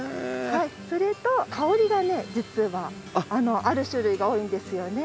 それと香りがね実はある種類が多いんですよね。